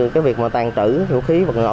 cái việc mà tàn trữ vũ khí vật nổ